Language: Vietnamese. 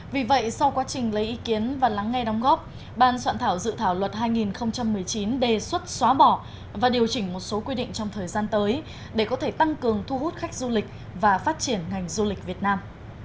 vì vậy sau quá trình lấy ý kiến và lắng nghe đóng góp ban soạn thảo dự thảo luật hai nghìn một mươi chín đề xuất xóa bỏ và điều chỉnh một số quy định trong thời gian tới để có thể tăng cường thu hút khách du lịch và phát triển ngành du lịch việt nam